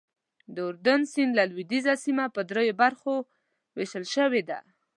د اردن سیند لوېدیځه سیمه په دریو برخو ویشل شوې ده.